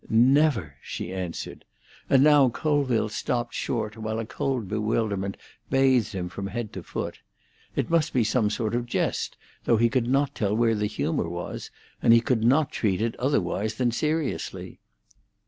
"Never!" she answered, and now Colville stopped short, while a cold bewilderment bathed him from head to foot. It must be some sort of jest, though he could not tell where the humour was, and he could not treat it otherwise than seriously.